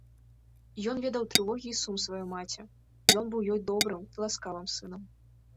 Ён ведаў трывогі і сум свае маці, ён быў ёй добрым і ласкавым сынам.